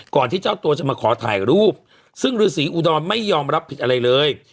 ที่เจ้าตัวจะมาขอถ่ายรูปซึ่งฤษีอุดรไม่ยอมรับผิดอะไรเลย